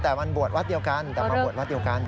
แต่มันบวชวัดเดียวกันแต่มาบวชวัดเดียวกัน